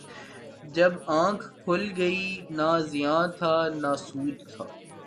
جب آنکھ کھل گئی، نہ زیاں تھا نہ سود تھا